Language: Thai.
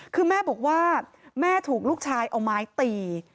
คือแม่บอกว่าแม่ถูกลูกชายเอาไม้ตี